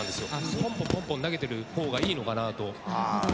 ポンポンポンポン投げてる方がいいのかなと。